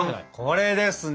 これですね！